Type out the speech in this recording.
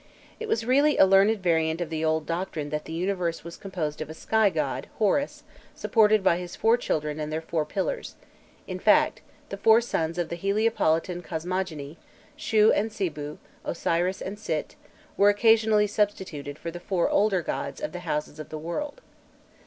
It was really a learned variant of the old doctrine that the universe was composed of a sky god, Horus, supported by his four children and their four pillars: in fact, the four sons of the Heliopolitan cosmogony, Shû and Sibû, Osiris and Sit, were occasionally substituted for the four older gods of the "houses" of the world.